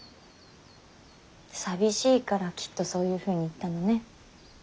寂しいからきっとそういうふうに言ったのね。